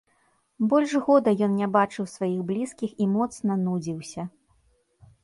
Больш года ён не бачыў сваіх блізкіх і моцна нудзіўся.